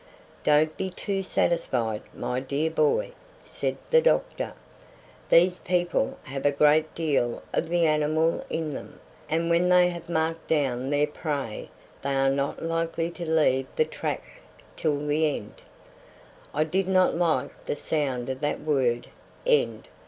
"Don't be too satisfied, my dear boy," said the doctor. "These people have a great deal of the animal in them, and when they have marked down their prey they are not likely to leave the track till the end." I did not like the sound of that word, "end."